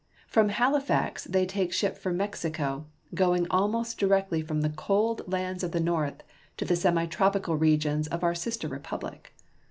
From Halifax they take ship for Mexico, going almost directly from the cold lands of the North to the semi tropical regions of our sister republic.